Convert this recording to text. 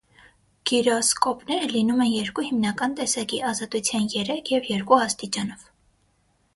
Գիրոսկոպները լինում են երկու հիմնական տեսակի՝ ազատության երեք և երկու աստիճանով։